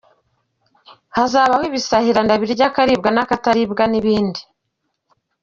Hazabaho ibisahiranda birya akaribwa n’akataribwa’’, n’ibindi.